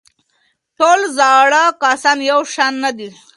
ټول زاړه کسان یو شان نه دي.